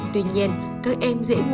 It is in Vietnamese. tuy nhiên các em dễ ngủ